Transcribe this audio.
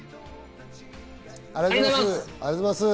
ありがとうございます。